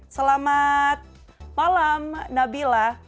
selamat malam nabila